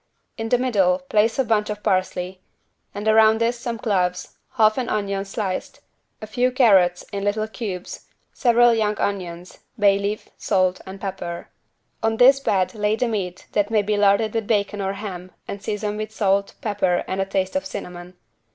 In the middle place a bunch of parsley, and around this some cloves, half an onion sliced, a few carrots in little cubes several young onions, bay leaf, salt, and pepper. On this bed lay the meat that may be larded with bacon or ham and seasoned with salt, pepper and a taste of cinnamon.